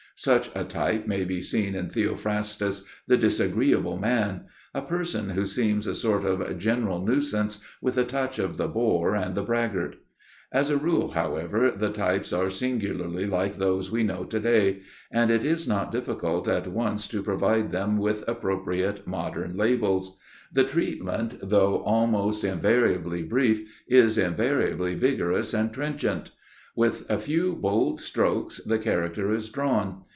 Such a type may be seen in Theophrastus's "The Disagreeable Man," a person who seems a sort of general nuisance with a touch of the bore and the braggart. As a rule, however, the types are singularly like those we know to day, and it is not difficult at once to provide them with appropriate modern labels. The treatment, though almost invariably brief, is invariably vigorous and trenchant. With a few bold strokes the character is drawn.